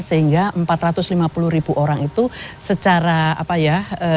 sehingga empat ratus lima puluh ribu orang itu secara apa ya